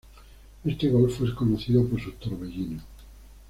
Este golfo es conocido por sus torbellinos.